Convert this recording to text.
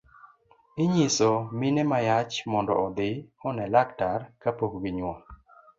Inyiso mine ma yach mondo odhi one laktar kapok ginyuol